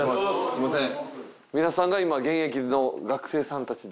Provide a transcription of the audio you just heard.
すみません。